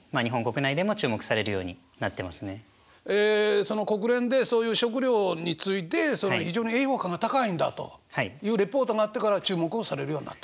その国連でそういう食料について非常に栄養価が高いんだというレポートがあってから注目をされるようになった？